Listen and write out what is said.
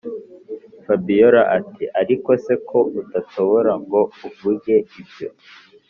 fabiora ati”ariko se ko udatobora ngo uvuge ibyo